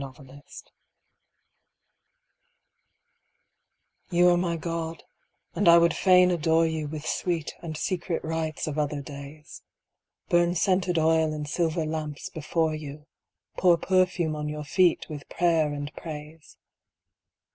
Verses You are my God, and I would fain adore You With sweet and secret rites of other days. Burn scented oil in silver lamps before You, Pour perfume on Your feet with prayer and praise.